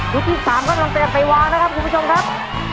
ชุดที่สามก็ตั้งแต่ไปวางนะครับคุณผู้ชมครับ